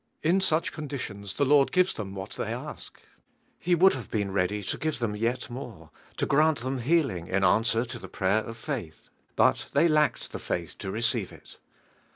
In such conditions the Lord gives them what they ask. He would have been ready to give them yet more, to grant them heal ing iu answer to the prayer of faith, but they lacked the faith to receive it.